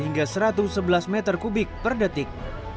hingga satu ratus sebelas meter kubik per detik